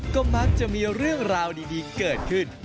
ก็มักจะมีเรื่องราวดีเกิดขึ้น